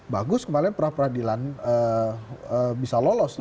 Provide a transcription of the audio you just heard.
bagus kemaren peradilan bisa lolos